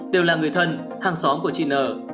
đều là người thân hàng xóm của chị n